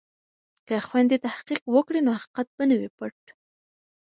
که خویندې تحقیق وکړي نو حقیقت به نه وي پټ.